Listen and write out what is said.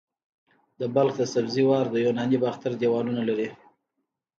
د بلخ د سبزې وار د یوناني باختر دیوالونه لري